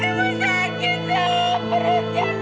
ibu sakit nek perihnya nek